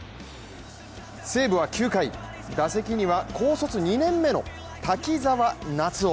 西武は９回、打席には高卒２年目の滝澤夏央。